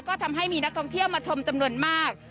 ก็ทำให้มีนักท่องเที่ยวมาชมจำนวนมาก